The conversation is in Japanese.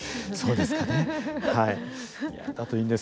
そうですかねはい。